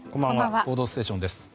「報道ステーション」です。